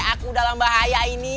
aku dalam bahaya ini